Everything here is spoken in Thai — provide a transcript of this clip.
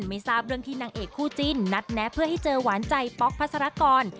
ไม่ทราบเรื่องที่นางเอกคู่จิ้นนัดแนะเพื่อให้เจอหวานใจป๊อกพัศรกร